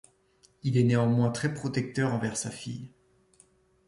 Il est néanmoins très protecteur envers sa fille.